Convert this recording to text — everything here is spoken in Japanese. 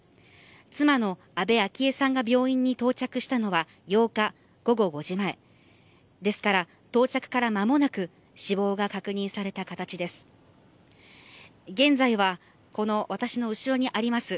妻の安倍昭恵さんが病院に到着したのは８日午後５じ前ですから到着から間もなく死亡が確認された形です。